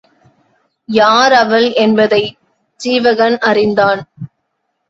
யார் அவள் என்பதைச் சீவகன் அறிந்தான்.